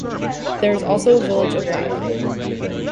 There is also a village of Wylye.